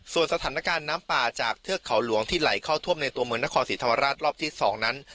ส่วนสถานการณ์น้ำป่าจากเทือกเขาหลวงที่ไหลเข้าท่วมในตัวเมืองนครศรีธรรมราชรอบที่๒นั้น